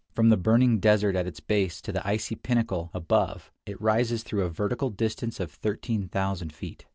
From the burning desert at its base to the icy pinnacle above, it rises through a vertical distance of 13,000 feet.